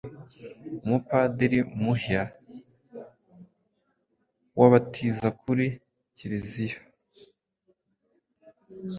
Umupadiri muhya wabatiza kuri kiriziya